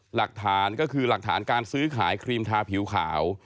หลักฐานก็คือหลักฐานการซื้อขายครีมทาผิวขาว